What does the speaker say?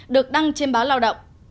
được đăng trên báo lao động